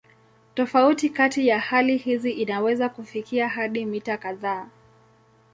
Tofauti kati ya hali hizi inaweza kufikia hadi mita kadhaa.